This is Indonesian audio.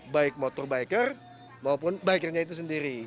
baik motor biker maupun bikernya itu sendiri